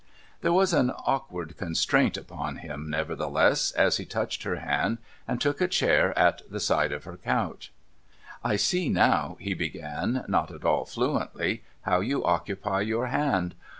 There was an awkward constraint upon him, nevertheless, as he touched her hand, and took a chair at the side of her couch. PHCEBE RECEIVES A VISITOR 427 ' I see now,' he began, not at all fluently, ' how you occupy your hand.